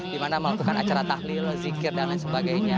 di mana melakukan acara tahlil zikir dan lain sebagainya